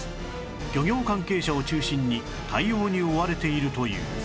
漁業関係者を中心に対応に追われているという